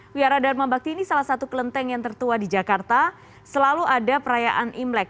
wiara dharma bakti ini salah satu kelenteng yang tertua di jakarta selalu ada perayaan imlek